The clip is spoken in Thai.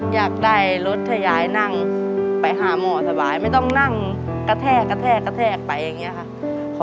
อยากได้รถทะยายนั่งไปหาหมอสบายไม่ต้องนั่งกระแทกไปอย่างนี้ค่ะ